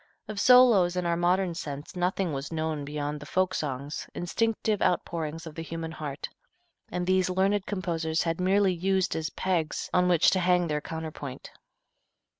Of solos in our modern sense nothing was known beyond the folk songs, instinctive outpourings of the human heart, and these learned composers had merely used as pegs on which to hang their counterpoint.